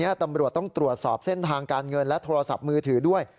ตำรวจต้องตรวจสอบเส้นทางการเงินและโทรศัพท์มือถือด้วย